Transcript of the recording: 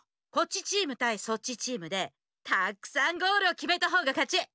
こっちチームたいそっちチームでたくさんゴールをきめたほうがかち。